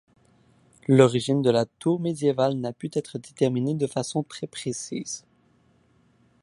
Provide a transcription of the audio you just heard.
L'origine de la tour médiévale n'a pu être déterminée de façon très précise.